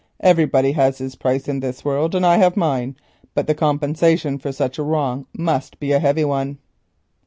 Everybody has his price in this world and I have mine; but the compensation for such a wrong must be a heavy one."